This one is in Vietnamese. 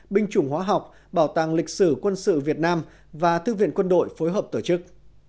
binh chủng hóa học bảo tàng lịch sử quân sự việt nam và thư viện quân đội phối hợp tổ chức